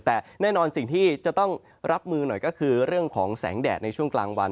แต่แน่นอนสิ่งที่จะต้องรับมือหน่อยก็คือเรื่องของแสงแดดในช่วงกลางวัน